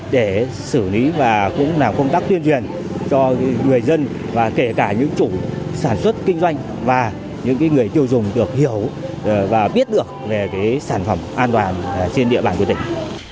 để xử lý và cũng làm công tác tuyên truyền cho người dân và kể cả những chủ sản xuất kinh doanh và những người tiêu dùng được hiểu và biết được về sản phẩm an toàn trên địa bàn của tỉnh